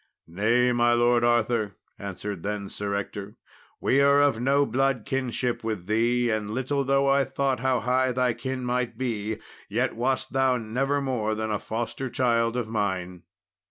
"Nay, my Lord Arthur," answered then Sir Ector, "we are of no blood kinship with thee, and little though I thought how high thy kin might be, yet wast thou never more than foster child of mine."